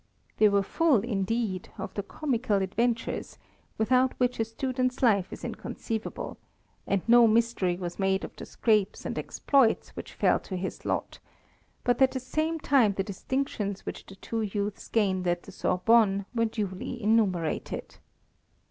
They were full, indeed, of the comical adventures, without which a student's life is inconceivable, and no mystery was made of the scrapes and exploits which fell to his lot, but at the same time the distinctions which the two youths gained at the Sorbonne were duly enumerated.